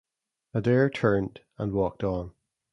Adair turned, and walked on.